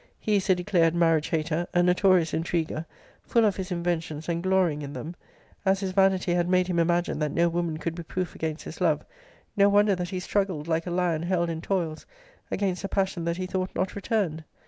He is a declared marriage hater; a notorious intriguer; full of his inventions, and glorying in them. As his vanity had made him imagine that no woman could be proof against his love, no wonder that he struggled like a lion held in toils,* against a passion that he thought not returned.